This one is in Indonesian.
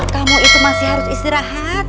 kamu itu masih harus istirahat